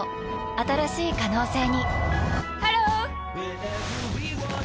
新しい可能性にハロー！